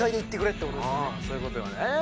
そういう事よね。